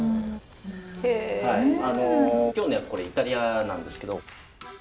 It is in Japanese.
今日のやつイタリアなんですけど。